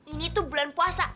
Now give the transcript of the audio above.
ini tuh bulan puasa